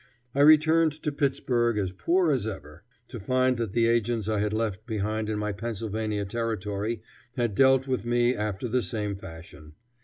I returned to Pittsburg as poor as ever, to find that the agents I had left behind in my Pennsylvania territory had dealt with me after the same fashion.